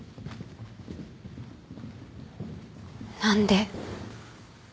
何で。